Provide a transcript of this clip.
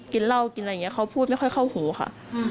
กินเหล้ากินอะไรอย่างนี้เขาพูดไม่ค่อยเข้าหูค่ะ